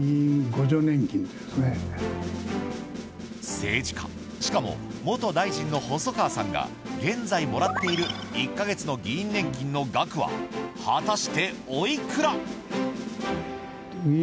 政治家、しかも元大臣の細川さんが現在もらっている１か月の議員年金の額は果たして、おいくら？